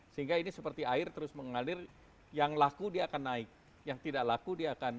sehingga ini seperti air terus mengalir yang laku dia akan naik yang tidak laku dia akan